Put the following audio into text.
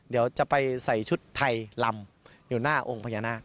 เดี๋ยวจะไปใส่ชุดไทยลำอยู่หน้าองค์พญานาค